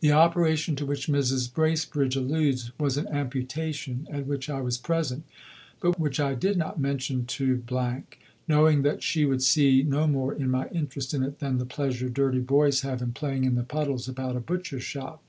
The operation to which Mrs. Bracebridge alludes was an amputation at which I was present, but which I did not mention to , knowing that she would see no more in my interest in it than the pleasure dirty boys have in playing in the puddles about a butcher's shop.